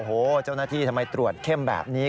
โอ้โหเจ้าหน้าที่ทำไมตรวจเข้มแบบนี้